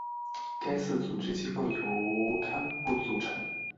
该寺组织机构由堪布组成。